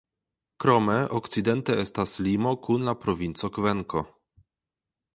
Krome okcidente estas limo kun la provinco Kvenko.